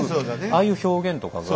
ああいう表現とかが。